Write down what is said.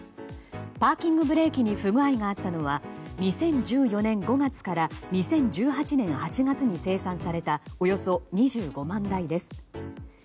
パーキングブレーキに不具合があったのは２０１４年５月から２０１８年８月に生産されたおよそ２５万台です。